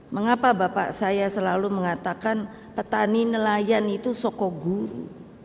mengapa bapak saya selalu mengatakan petani nelayan itu sokoguru